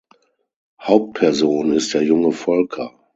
Hauptperson ist der Junge Volker.